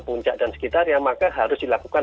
puncak dan sekitarnya maka harus dilakukan